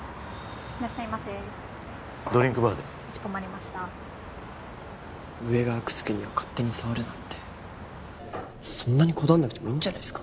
いらっしゃいませドリンクバーでかしこまりました上が阿久津家には勝手に触るなってそんなにこだわんなくてもいいんじゃないすか？